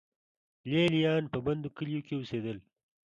لې لیان په بندو کلیو کې اوسېدل